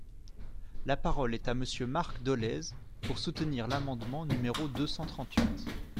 La parole est à Monsieur Marc Dolez, pour soutenir l’amendement numéro deux cent trente-huit.